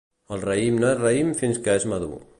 El raïm no és raïm fins que és madur.